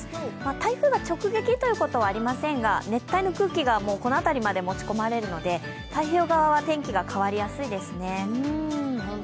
台風が直撃ということはありませんがありませんが、熱帯の空気がこのあたりまで持ち込まれるので、太平洋側は天気が変わりやすいですね。